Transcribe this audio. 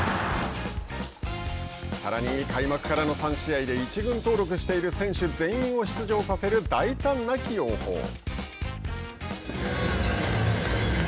さらに、開幕からの３試合で１軍登録している選手全員を出場させる大胆な起用法。